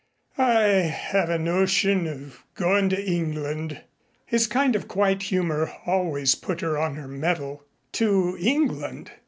"I have a notion of goin' to England." His kind of quiet humor always put her on her mettle. "To England